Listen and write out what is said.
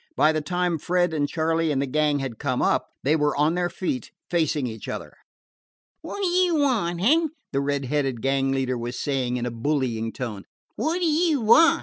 By the time Fred and Charley and the gang had come up, they were on their feet, facing each other. "Wot d' ye want, eh?" the red headed gang leader was saying in a bullying tone. "Wot d' ye want?